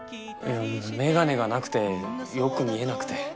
いや眼鏡がなくてよく見えなくて。